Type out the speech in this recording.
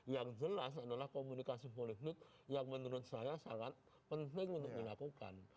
yang jelas adalah komunikasi politik yang menurut saya sangat penting untuk dilakukan